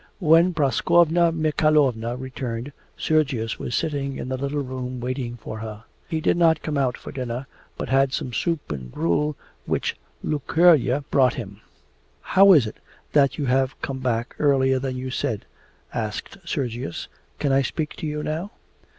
When Praskovya Mikhaylovna returned, Sergius was sitting in the little room waiting for her. He did not come out for dinner, but had some soup and gruel which Lukerya brought him. 'How is it that you have come back earlier than you said?' asked Sergius. 'Can I speak to you now?